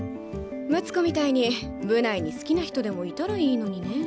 睦子みたいに部内に好きな人でもいたらいいのにねぇ。